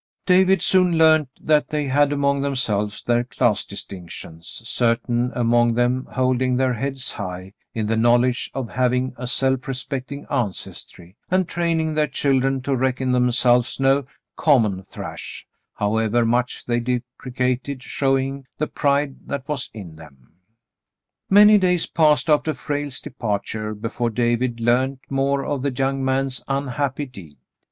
David soon learned that they had among themselves their class distinctions, certain among them holding their heads high, in the knowledge of having a self respecting ancestry, and training their children to reckon themselves no "common trash," however much they deprecated showing the pride that was in them. Many days passed after Frale's departure before David learned more of the young man's unhappy deed.